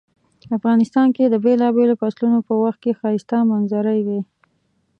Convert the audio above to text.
افغانستان کې د بیلابیلو فصلونو په وخت کې ښایسته منظرۍ وی